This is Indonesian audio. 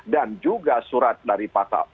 dan juga surat dari